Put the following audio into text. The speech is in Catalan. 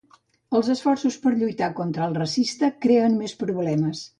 Els esforços per lluitar contra el racista creen més problemes.